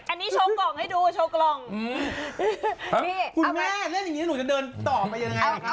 อันนี้โชว์กล่องให้ดูโชว์กล่องนี่คุณแม่เล่นอย่างงี้หนูจะเดินต่อไปยังไงคะ